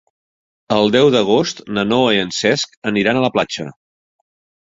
El deu d'agost na Noa i en Cesc aniran a la platja.